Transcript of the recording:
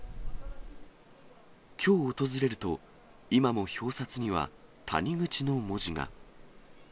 きょう訪れると、今も表札にはタニグチの文字が。